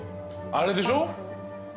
あれでしょ？